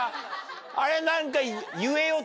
あれ何か。